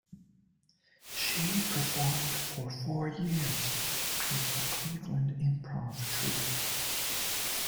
She performed for four years with the Cleveland Improv Troupe.